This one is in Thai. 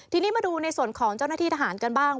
ทีนี้มาดูในส่วนของเจ้าหน้าที่ทหารกันบ้าง